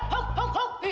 huk huk huk